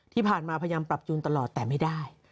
ที่ผ่านมาพยายามปรับจูนตลอดแต่ไม่ได้